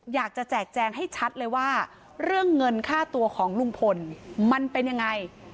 แจกแจงให้ชัดเลยว่าเรื่องเงินค่าตัวของลุงพลมันเป็นยังไง